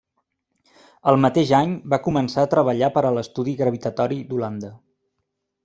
El mateix any va començar a treballar per a l'Estudi Gravitatori d'Holanda.